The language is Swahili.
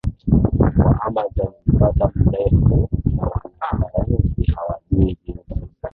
wa Amazon Umepata mrefu na Wanasayansi hawajui Jinsi